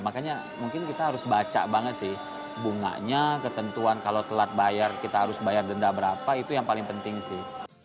makanya mungkin kita harus baca banget sih bunganya ketentuan kalau telat bayar kita harus bayar denda berapa itu yang paling penting sih